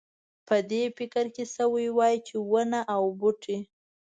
په دې فکر شوی وای چې ونه او بوټی.